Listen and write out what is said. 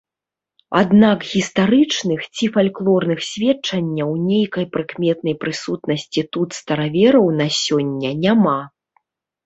Аднак гістарычных ці фальклорных сведчанняў нейкай прыкметнай прысутнасці тут старавераў на сёння няма.